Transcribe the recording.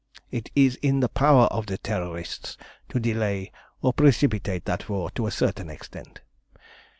"It is in the power of the Terrorists to delay or precipitate that war to a certain extent.